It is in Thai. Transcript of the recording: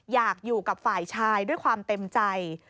อยากอยู่กับฝ่ายชายด้วยความเต็มใจ